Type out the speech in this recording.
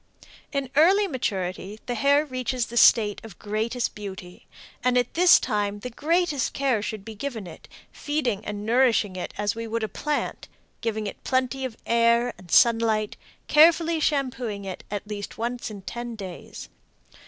In early maturity the hair reaches the state of greatest beauty, and at this time the greatest care should be given it, feeding and nourishing it as we would a plant giving it plenty of air and sunlight, carefully shampooing at least once in ten days.